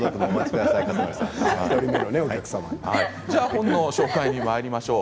本の紹介にまいりましょう。